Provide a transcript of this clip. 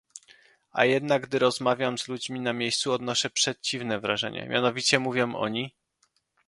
A jednak, gdy rozmawiam z ludźmi na miejscu odnoszę przeciwne wrażenie, mianowicie mówią oni